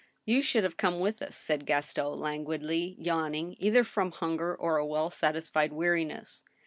" You should have come with us," said Gaston, languidly, yawn ing, either from hunger or a well satisfied weariness.